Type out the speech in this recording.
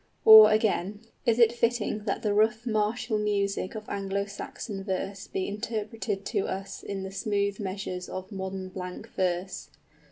Or, again, is it fitting that the rough martial music of Anglo Saxon verse be interpreted to us in the smooth measures of modern blank verse?